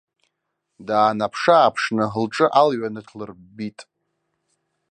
Даанаԥшы-ааԥшны, лҿы алҩа ныҭлырббит.